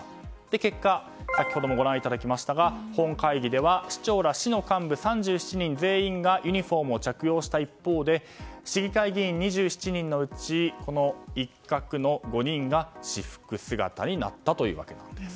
結果、先ほどもご覧いただきましたが本会議では市長ら市の幹部３７人全員がユニホームを着用した一方で市議会議員２７人のうちこの一角の５人が私服姿になったというわけなんです。